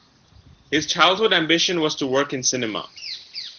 His childhood ambition was to work in cinema.